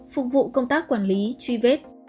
phục vụ công tác quản lý truy vết